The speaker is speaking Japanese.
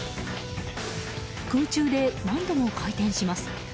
空中で何度も回転します。